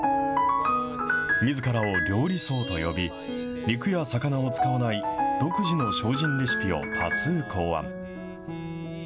みずからを料理僧と呼び、肉や魚を使わない独自の精進レシピを多数考案。